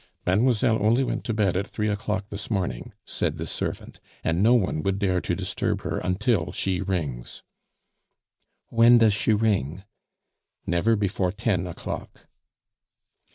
"Mademoiselle only went to bed at three o'clock this morning," said the servant, "and no one would dare to disturb her until she rings." "When does she ring?" "Never before ten o'clock."